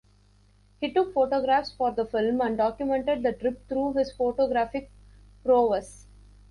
He took photographs for the film and documented the trip through his photographic prowess.